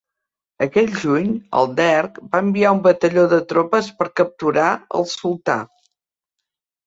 Aquell juny, el Derg va enviar un batalló de tropes per capturar el sultà.